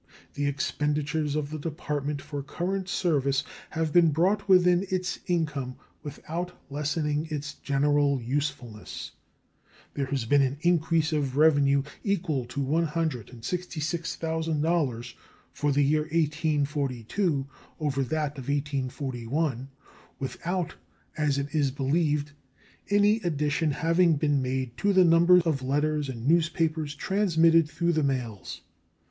The expenditures of the Department for current service have been brought within its income without lessening its general usefulness. There has been an increase of revenue equal to $166,000 for the year 1842 over that of 1841, without, as it is believed, any addition having been made to the number of letters and newspapers transmitted through the mails.